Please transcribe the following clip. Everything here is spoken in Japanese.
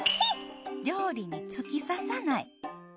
料理につきささない。